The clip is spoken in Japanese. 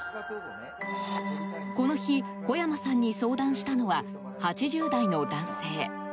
この日、小山さんに相談したのは８０代の男性。